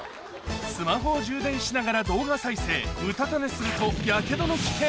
スマホを充電しながら動画再生うたた寝するとやけどの危険？